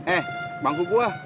eh bangku gue